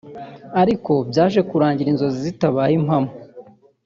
Ariko byaje kurangira inzozi zitabaye impamo